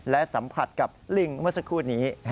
และสัมผัสกับลิงเมื่อสักครู่นี้